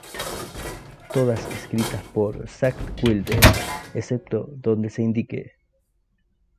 Todas escritas por Zakk Wylde, excepto donde se indique.